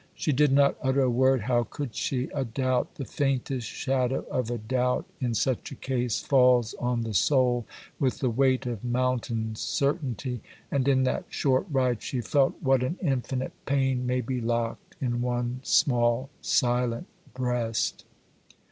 She did not utter a word—how could she? A doubt—the faintest shadow of a doubt—in such a case, falls on the soul with the weight of mountain certainty, and in that short ride she felt what an infinite pain may be locked in one small, silent breast.